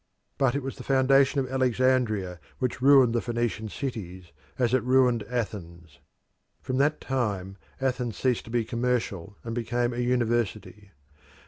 But it was the foundation of Alexandria which ruined the Phoenician cities, as it ruined Athens. Form that time Athens ceased to be commercial and became a university.